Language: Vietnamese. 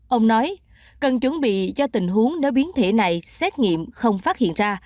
ông nói cần chuẩn bị cho tình huống nếu biến thể này xét nghiệm không phát hiện ra